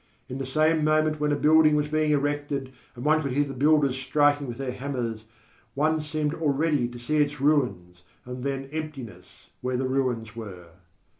In the very moment when a building was being erected and one could hear the builders striking with their hammers, one seemed already to see its ruins, and then emptiness where the ruins were_.